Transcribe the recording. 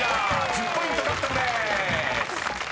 １０ポイント獲得です］